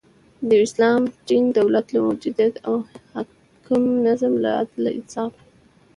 د یو اسلامی ټینګ دولت له موجودیت او د حاکم نظام له عدل، انصاف